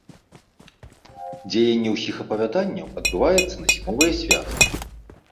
Дзеянне ўсіх апавяданняў адбываецца на зімовыя святы.